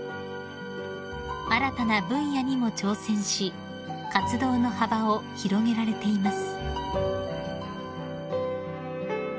［新たな分野にも挑戦し活動の幅を広げられています］